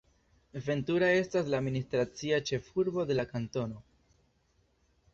Ventura estas la administracia ĉefurbo de la kantono.